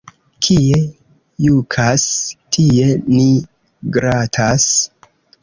Kie jukas, tie ni gratas.